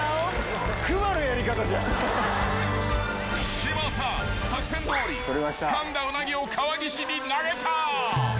［嶋佐作戦どおりつかんだウナギを川岸に投げた］